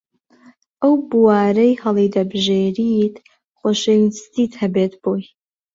ئەو بوارەی هەڵیدەبژێریت خۆشەویستیت هەبێت بۆی